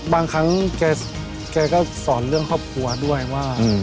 บางครั้งแกก็สอนเรื่องครอบครัวด้วยว่า